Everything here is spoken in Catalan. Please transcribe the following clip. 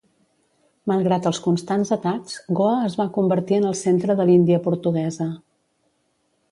Malgrat els constants atacs, Goa es va convertir en el centre de l'Índia portuguesa.